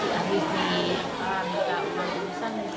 lalu dianggap orang urusan menyebutkan video